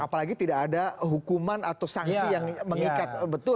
apalagi tidak ada hukuman atau sanksi yang mengikat betul